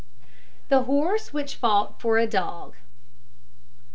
THE HORSE WHICH FOUGHT FOR A DOG.